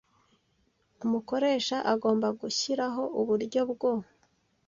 Umukoresha agomba gushyiraho uburyo bwo